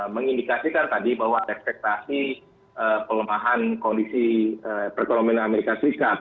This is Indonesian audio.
mengindikasikan tadi bahwa ekspektasi pelemahan kondisi perekonomian amerika serikat